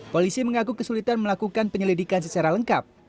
polisi mengaku kesulitan melakukan penyelidikan secara lengkap